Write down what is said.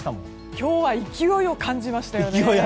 今日は勢いを感じましたよね。